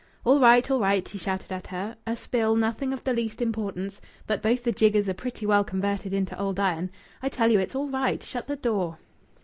"All right! All right!" he shouted at her. "A spill. Nothing of the least importance. But both the jiggers are pretty well converted into old iron. I tell you it's all right! Shut the door."